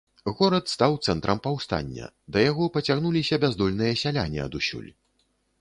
Горад стаў цэнтрам паўстання, да яго пацягнуліся бяздольныя сяляне адусюль.